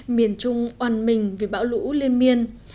miền trung oàn mình vì bão lũ liên miên